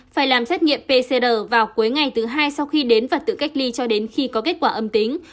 phải làm xét nghiệm pcr vào cuối ngày thứ hai sau khi đến và tự cách ly cho đến khi có kết quả âm tính